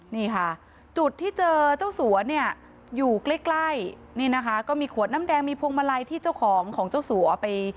นี่ค่ะจุดที่เจอเจ้าสัวเนี่ยอยู่ใกล้ใกล้นี่นะคะก็มีขวดน้ำแดงมีพวงมาลัยที่เจ้าของของเจ้าสัวไป